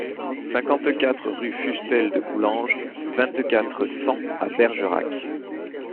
cinquante-quatre rue Fustel de Coulanges, vingt-quatre, cent à Bergerac